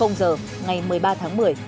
giờ ngày một mươi ba tháng một mươi